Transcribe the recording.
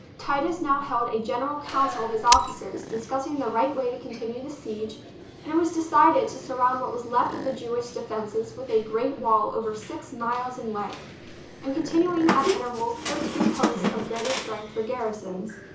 Titus now held a general council of his officers, discussing the right way to continue the siege, and it was decided to surround what was left of the Jew ish defences with a great wall over six miles in length and containing at intervals thirteen posts of greater strength for garrisons.